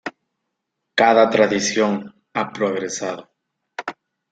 Cada tradición ha progresado.